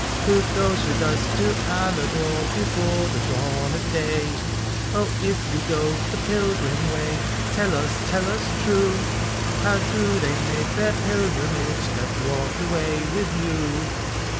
Who goes with us to Aladore Before the dawn of day ? O if we go the pilgrim way, Tell us, tell us true. How do they make their pilgrimage That walk the way with you